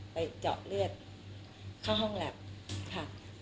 เจาะเลือดเข้าห้องแล็บค่ะ